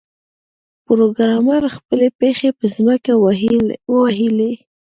پروګرامر خپلې پښې په ځمکه ووهلې